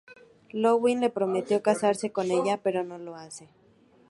Ludwig le prometió casarse con ella, pero no lo hace.